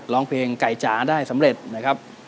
ร้องเพลงไก่จ๋าได้สำเร็จนะครับ